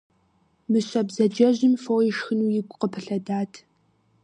Мыщэ бзаджэжьым фо ишхыну игу къыпылъэдат.